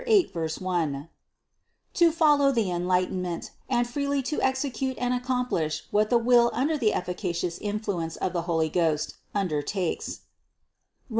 Wisdom 8, 1) to follow the enlighten ment, and freely to execute and accomplish what the will under the efficacious influence of the Holy Ghost, under takes (Rom.